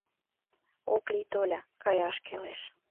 Ок лий, Толя, каяш кӱлеш.